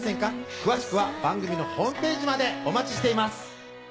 詳しくは番組のＨＰまでお待ちしています